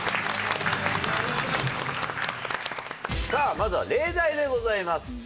さあまずは例題でございます。